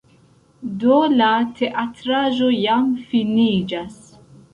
Do, la teatraĵo jam finiĝas